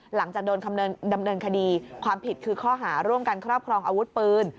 หลังจากโดนดำเนินคดีความผิดคือข้อหาร่วมกันครอบครองอาวุธปืน